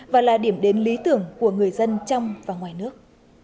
và là điểm đến lý tưởng của người dân trong và ngoài nước